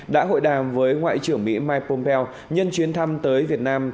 đã hội đàm với ngoại trưởng mỹ mike pompeo nhân chuyến thăm tới việt nam